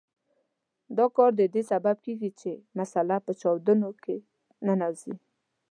دا کار د دې سبب کیږي چې مساله په چاودونو کې ننوځي.